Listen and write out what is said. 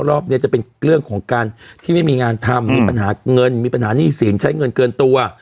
รอบนี้จะเป็นเรื่องของการที่ไม่มีงานทำมีปัญหาเงินมีปัญหาหนี้สินใช้เงินเกินตัว